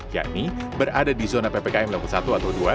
yakni berada di zona ppkm level satu atau dua